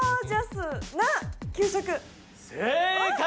正解。